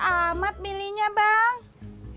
cepet amat milihnya bang